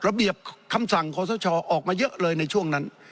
ระเบียบคำสั่งขอสชออกมาเยอะเลยในช่วงนั้น